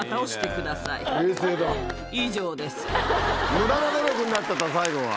無駄な努力になっちゃった最後は。